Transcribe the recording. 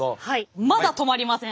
まだ止まりません。